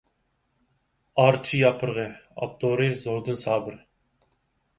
«ئارچا ياپرىقى»، ئاپتورى: زوردۇن سابىر.